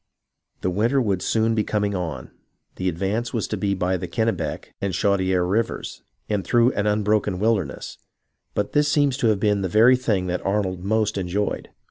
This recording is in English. The vvinter would soon be coming on, the advance was to be by the Kennebec and Chaudiere rivers, and through an unbroken wilderness; but this seems to have been the very thing that Arnold most enjoyed.